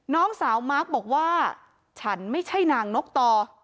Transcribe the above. น้องสาวมาร์คบอกว่าฉันไม่ใช่นางนกต่อ